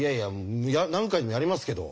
何回でもやりますけど。